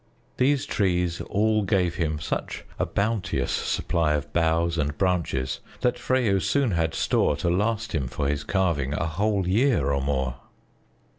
These trees all gave him such a bounteous supply of boughs and branches that Freyo soon had store to last him for his carving a whole year or more.